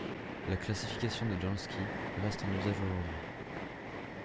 La classification de Janský reste en usage aujourd'hui.